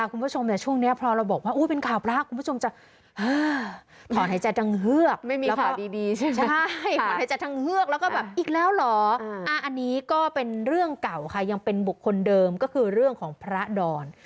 อันนี้ก็เป็นเรื่องเก่าค่ะยังเป็นบุคคลเดิมก็คือเรื่องของพระดร